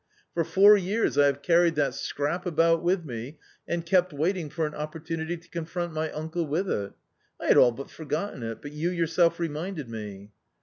For four years I have carried that scrap about with me and kept waiting for an opportunity to confront my uncle with it* I had all but forgotten it, but you yourself reminded me."